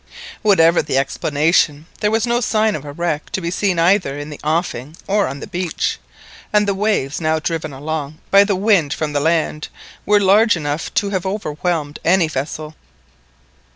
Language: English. Whatever the explanation there was no sign of a wreck to be seen either in the offing or on the beach, and the waves, now driven along by the wind from the land, were large enough to have overwhelmed any vessel.